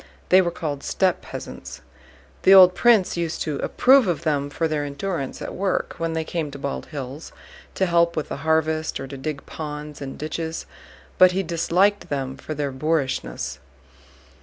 They were called steppe peasants. The old prince used to approve of them for their endurance at work when they came to Bald Hills to help with the harvest, or to dig ponds and ditches, but he disliked them for their boorishness.